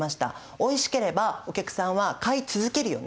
おいしければお客さんは買い続けるよね。